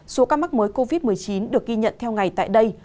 số ca mắc mới covid một mươi chín được ghi nhận theo ngày tại đây